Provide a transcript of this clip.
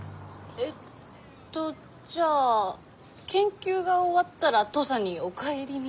えっとじゃあ研究が終わったら土佐にお帰りに？